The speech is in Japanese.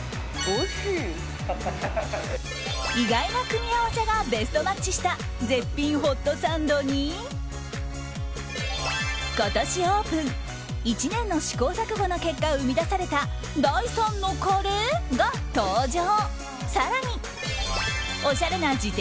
意外な組み合わせがベストマッチした絶品ホットサンドに今年オープン１年の試行錯誤の結果生み出された第３のカレー？が登場。